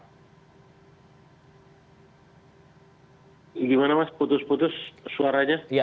gimana mas putus putus suaranya